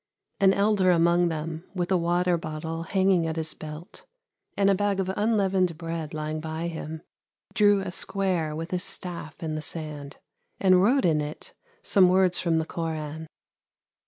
An elder among them, with a water bottle hanging at his belt, and a bag of unleavened bread lying by him, drew a square with his staff in the sand, and wrote in it some words from the Koran.